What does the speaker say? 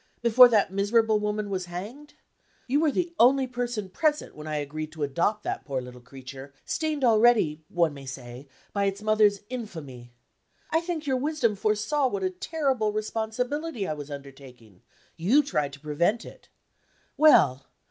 before that miserable woman was hanged? You were the only person present when I agreed to adopt the poor little creature, stained already (one may say) by its mother's infamy. I think your wisdom foresaw what a terrible responsibility I was undertaking; you tried to prevent it. Well!